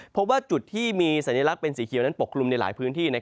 เพราะว่าจุดที่มีสัญลักษณ์เป็นสีเขียวนั้นปกคลุมในหลายพื้นที่